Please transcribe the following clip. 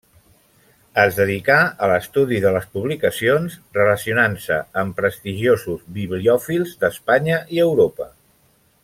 Es dedicà a l’estudi de les publicacions, relacionant-se amb prestigiosos bibliòfils d’Espanya i Europa.